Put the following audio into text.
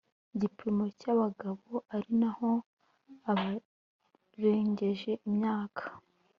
gipimo cya abagabo ari naho abarengeje imyaka